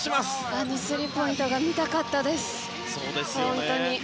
あのスリーポイントが見たかったです、本当に。